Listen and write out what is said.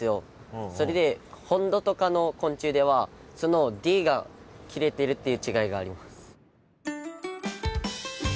それで本土とかの昆虫ではそのＤが切れてるっていう違いがあります。